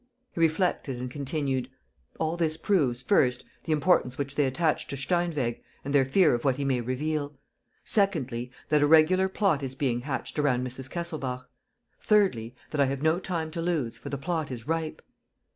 He reflected and concluded: "All this proves, first, the importance which they attach to Steinweg and their fear of what he may reveal; secondly, that a regular plot is being hatched around Mrs. Kesselbach; thirdly, that I have no time to lose, for the plot is ripe."